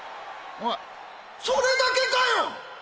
おいそれだけかよっ！！